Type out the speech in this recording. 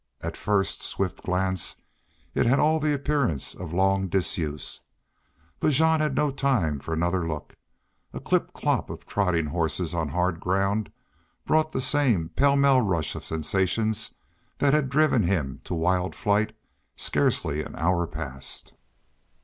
At first swift glance it had all the appearance of long disuse. But Jean had no time for another look. A clip clop of trotting horses on hard ground brought the same pell mell rush of sensations that had driven him to wild flight scarcely an hour past.